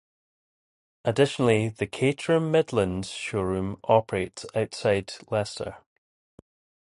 Additionally the "Caterham Midlands" showroom operates outside Leicester.